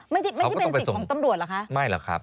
ไม่ใช่เป็นสิทธิ์ของตำรวจเหรอคะ